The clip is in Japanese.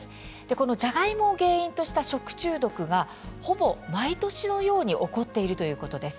このジャガイモを原因とした食中毒が、ほぼ毎年のように起こっているということです。